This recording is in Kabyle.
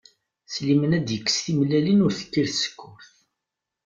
Sliman ad d-ikkes timellalin ur tekkir tsekkurt.